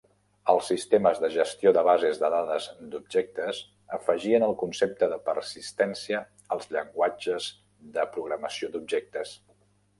Els sistemes de gestió de bases de dades d'objectes afegien el concepte de persistència als llenguatges de programació d'objectes.